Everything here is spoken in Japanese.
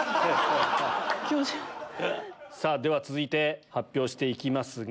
では続いて発表して行きますが！